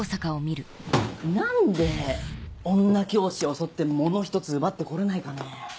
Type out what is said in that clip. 何で女教師襲って物一つ奪ってこれないかね？